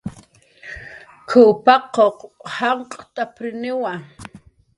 "K""uw paquq janq' t'aprniwa"